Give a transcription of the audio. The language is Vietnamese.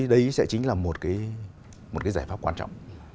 đấy sẽ chính là một giải pháp quan trọng